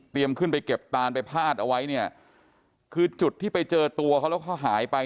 ขึ้นไปเก็บตานไปพาดเอาไว้เนี่ยคือจุดที่ไปเจอตัวเขาแล้วเขาหายไป